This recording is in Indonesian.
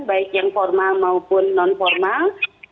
baik yang formal maupun non formal